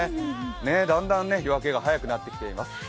だんだん夜明けが早くなってきています。